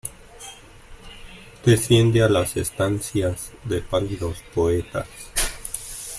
Desciende a las estancias de pálidos poetas.